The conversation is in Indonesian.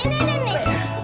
ini yuk ini yuk